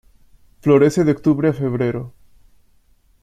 Florece de octubre a febrero.